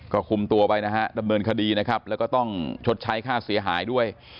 ก็คุมตัวไปนะฮะดำเนินคดีนะครับแล้วก็ต้องชดใช้ค่าเสียหายด้วย